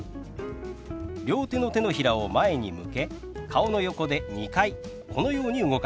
両手の手のひらを前に向け顔の横で２回このように動かします。